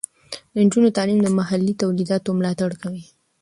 د نجونو تعلیم د محلي تولیداتو ملاتړ کوي.